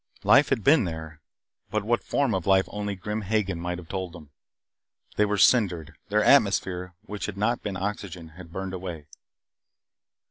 Life had been there, but what form of life only Grim Hagen might have told them. They were cindered their atmosphere, which had not been oxygen, had burned away.